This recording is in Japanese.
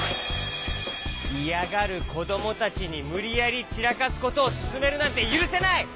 いやがるこどもたちにむりやりちらかすことをすすめるなんてゆるせない！